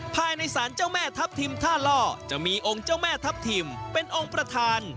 ภายในสารเจ้าแม่ทัพทิมท่าล่อจะมีองค์เจ้าแม่ทัพทิมเป็นองค์ประธาน